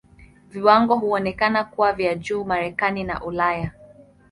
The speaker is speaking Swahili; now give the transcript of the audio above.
Viwango huonekana kuwa vya juu Marekani na Ulaya.